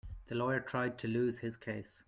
The lawyer tried to lose his case.